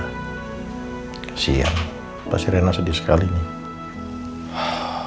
kasihan pasti rena sedih sekali nih